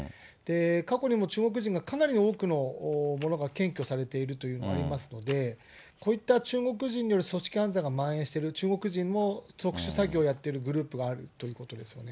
過去にも中国人がかなり多くの者が検挙されているというのもあります、こういった中国人による組織犯罪がまん延している、中国人も特殊詐欺をやってるグループがあるということですよね。